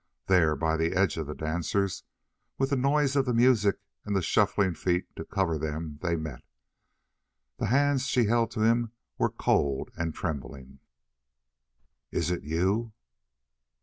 There, by the edge of the dancers, with the noise of the music and the shuffling feet to cover them, they met. The hands she held to him were cold and trembling. "Is it you?"